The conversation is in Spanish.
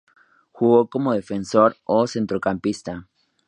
Jugó como defensor o centrocampista.